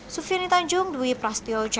sufiyoni tanjung dwi prasetyo jakarta